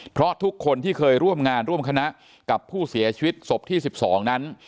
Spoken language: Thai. เพราะทุกคนที่เคยร่วมงานร่วมคณะกับผู้เสียชีวิตศพที่๑๒นั้น